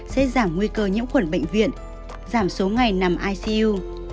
sẽ giảm nguy cơ nhiễm khuẩn bệnh viện giảm số ngày nằm icu